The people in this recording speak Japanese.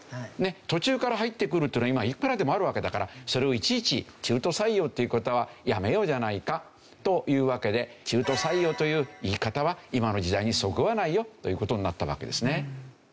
途中から入ってくるっていうのは今いくらでもあるわけだからそれをいちいち中途採用って言う事はやめようじゃないかというわけで中途採用という言い方は今の時代にそぐわないよという事になったわけですね。